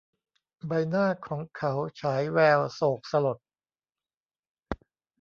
ใบหน้าของเขาฉายแววโศกสลด